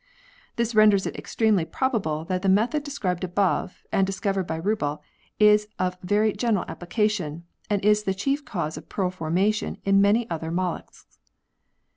This renders it extremely probable that the method described above, and discovered by Rubbel, is of very general application, and is the chief cause of pearl formation in many other mol luscs.